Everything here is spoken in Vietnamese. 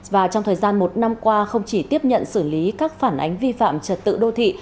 và trong thời gian một năm qua không chỉ tiếp nhận xử lý các phản ánh vi phạm trật tự đô thị